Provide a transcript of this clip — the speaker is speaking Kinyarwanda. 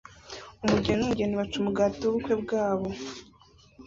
Umugeni n'umugeni baca umugati w'ubukwe bwabo